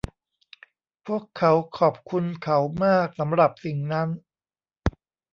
พวกเขาขอบคุณเขามากสำหรับสิ่งนั้น